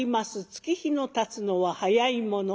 月日のたつのは早いもの。